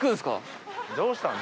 どうしたん？